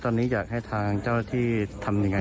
ตอนนี้อยากให้ทางเจ้าที่ทำยังไง